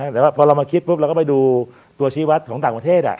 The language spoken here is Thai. แต่ว่าพอเรามาคิดปุ๊บเราก็ไปดูตัวชีวัตรของต่างประเทศ